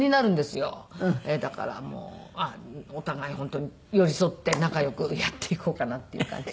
だからもうお互い本当に寄り添って仲良くやっていこうかなっていう感じで。